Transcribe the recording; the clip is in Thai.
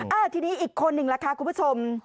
อ่าทีนี้อีกคนหนึ่งล่ะค่ะคุณผู้ชม